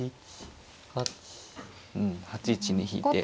うん８一に引いて。